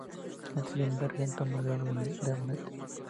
Nacido en Bergen, tomó el grado dr.med.